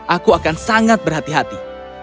aku akan sangat berhati hati